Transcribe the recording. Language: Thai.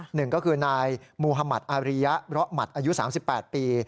หนึ่งก็คือนายมุธมัติอาริยะเลาะหมัดอายุ๓๘ปี